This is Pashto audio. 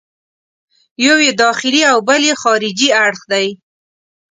یو یې داخلي او بل یې خارجي اړخ دی.